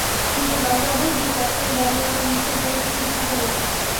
নিজের বাজে অভ্যাসগুলো ত্যাগ করলে, আমি আমার মিথ্যার জগত থেকে মুক্তি পাবো।